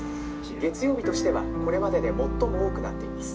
「月曜日としてはこれまでで最も多くなっています」。